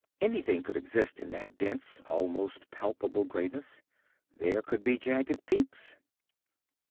Anything could exist in that dense, almost palpable grayness. There could be jagged peaks.